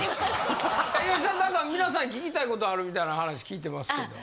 吉井さん何か皆さんに聞きたい事あるみたいな話聞いてますけど。